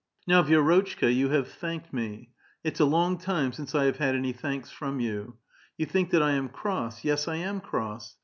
" Now, Vi^rotchka, you have thanked me. It's a long time since I have had any thanks from you. You think that I am cross. Yes, I am cross.